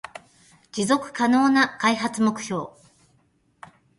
持続可能な開発目標